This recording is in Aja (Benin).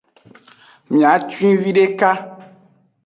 Miacen videka.